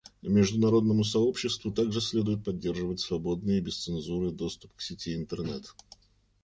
Международному сообществу также следует поддержать свободный и без цензуры доступ к сети Интернет.